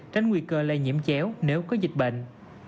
tránh nguy cơ lây nhiễm chéo nếu có dịch bệnh